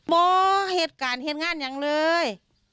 โบ๊ะเห็นการเห็นงานอย่างเลย